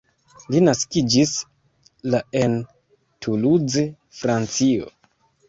Li naskiĝis la en Toulouse Francio.